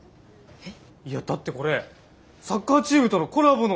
えっ？